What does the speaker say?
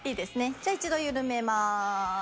じゃあ一度緩めます。